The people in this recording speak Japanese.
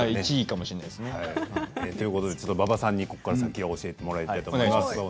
１位かもしんないですね。ということで馬場さんにここから先は教えてもらいたいと思います。